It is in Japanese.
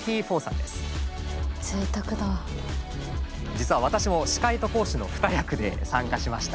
実は私も司会と講師の二役で参加しました。